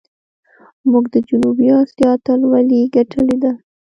موږ د جنوبي آسیا اتلولي ګټلې ده.